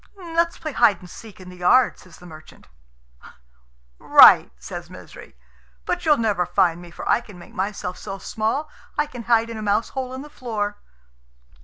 "Let's play hide and seek in the yard," says the merchant. "Right," says Misery; "but you'll never find me, for I can make myself so small I can hide in a mouse hole in the floor."